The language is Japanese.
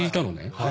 はい。